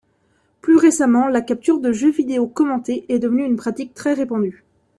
Plus récemment, la capture de jeux vidéo commentés est devenue une pratique très répandue.